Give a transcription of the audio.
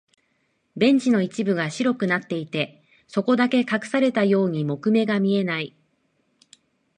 ベンチの一部が白くなっていて、そこだけ隠されたように木目が見えない。